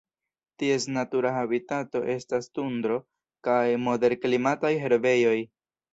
Ties natura habitato estas tundro kaj moderklimataj herbejoj.